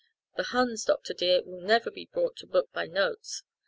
The Huns, Dr. dear, will never be brought to book by notes.